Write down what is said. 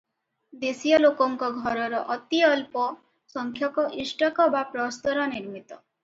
ଦେଶୀୟଲୋକଙ୍କ ଘରର ଅତିଅଳ୍ପ ସଂଖ୍ୟକ ଇଷ୍ଟକ ବା ପ୍ରସ୍ତର ନିର୍ମିତ ।